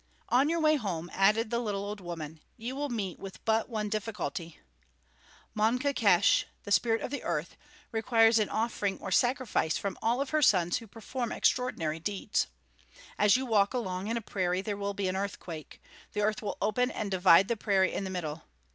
"On your way home," added the little old woman, "you will meet with but one difficulty. Maunkahkeesh, the Spirit of the Earth, requires an offering or sacrifice from all of her sons who perform extraordinary deeds. As you walk along in a prairie there will be an earthquake; the earth will open and divide the prairie in the middle.